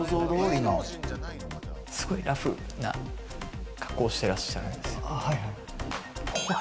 すごいラフな格好をしてらっしゃるんですよ。